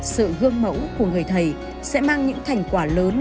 sự gương mẫu của người thầy sẽ mang những thành quả lớn